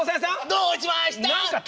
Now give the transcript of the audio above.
どうしました？